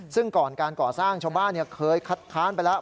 ซึ่งก่อนการก่อสร้างชาวบ้านเคยคัดค้านไปแล้ว